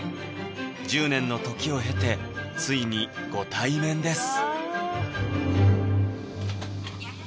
１０年の時を経てついにご対面です